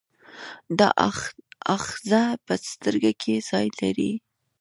دا آخذه په سترګه کې ځای لري.